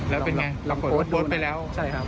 แล้วเป็นอย่างไรลองโพสต์ไปแล้ว